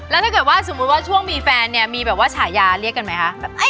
แล้วถ้าเกิดว่าสมมุติว่าช่วงมีแฟนเนี่ยมีแบบว่าฉายาเรียกกันไหมคะ